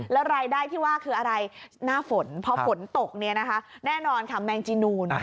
แล้วรายได้ที่ว่าคืออะไรหน้าฝนพอฝนตกเนี่ยนะคะแน่นอนค่ะแมงจีนูน